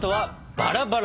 バラバラ？